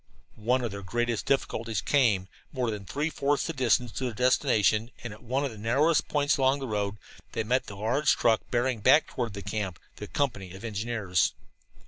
One of their greatest difficulties came when, more than three fourths the distance to their destination, and at one of the narrowest points along the road, they met the large truck bearing back toward camp the company of engineers.